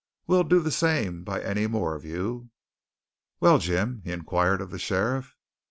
We'll do the same by any more of you. Well, Jim?" he inquired of the sheriff.